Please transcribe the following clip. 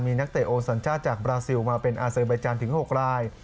มีนักเตะโอสัญชาติจากบราซิลมาเป็นอาเซอร์ใบจันทร์ถึง๖ราย